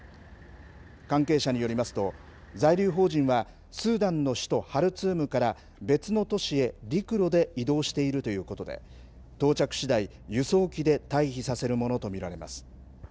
関係者によりますと、在留邦人は、スーダンの首都ハルツームから、別の都市へ陸路で移動しているということで、到着しだい、輸送機で退避させるものと見られます。